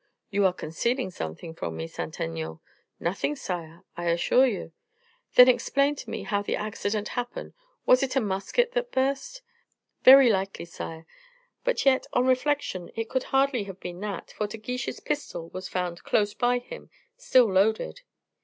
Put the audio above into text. "You are concealing something from me, Saint Aignan." "Nothing, sire, I assure you." "Then, explain to me how the accident happened; was it a musket that burst?" "Very likely, sire. But yet, on reflection, it could hardly have been that, for De Guiche's pistol was found close by him still loaded."